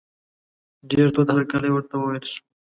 ډېر تود هرکلی ورته وویل شو.